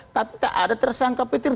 tapi tak ada tersangka petir